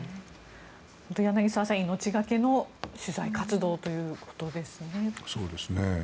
柳澤さん、命がけの取材活動ということですね。